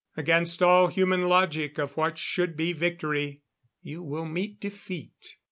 Against all human logic of what should be victory you will meet defeat....